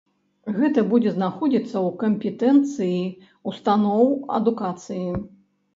Гэта будзе знаходзіцца ў кампетэнцыі ўстаноў адукацыі.